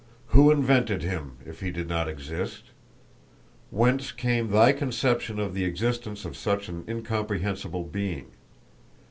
"Who invented Him, if He did not exist? Whence came thy conception of the existence of such an incomprehensible Being?